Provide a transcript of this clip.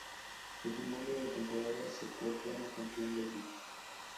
Al final de la temporada se proclama campeón de Liga.